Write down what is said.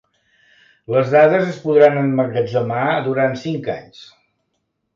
Les dades es podran emmagatzemar durant cinc anys.